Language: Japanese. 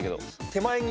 手前に。